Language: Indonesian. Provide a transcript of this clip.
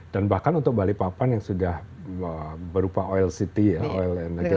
dan bahkan untuk balikpapan yang sudah berupa oil city ya oil and energy city